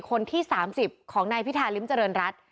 คนที่๓๐ของนายพิธาริมเจริญรัฐ